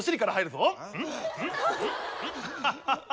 ハハハハ。